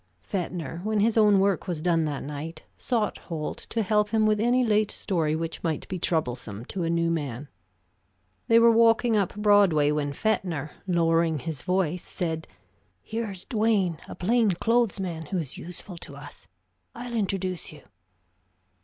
Fetner, when his own work was done that night, sought Holt to help him with any late story which might be troublesome to a new man. They were walking up Broadway when Fetner, lowering his voice, said: "Here's Duane, a plain clothes man, who is useful to us. I'll introduce you."